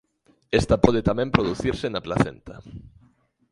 Esta pode tamén producirse na placenta.